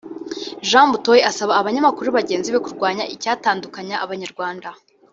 Jean Butoyi asaba abanyamakuru bagenzi be kurwanya icyatandukanya abanyarwanda